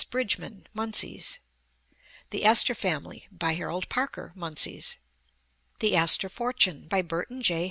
Bridgman, Munsey's; The Astor Family, by Harold Parker, Munsey's; The Astor Fortune, by Burton J.